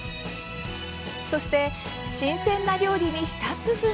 そして新鮮な料理に舌鼓。